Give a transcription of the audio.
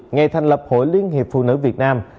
ngày thành lập hội liên hiệp phụ nữ việt nam